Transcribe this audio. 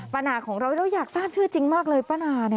นาของเราเราอยากทราบชื่อจริงมากเลยป้านา